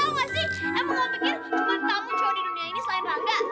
emang nggak pikir cuma kamu cowok di dunia ini selain rangga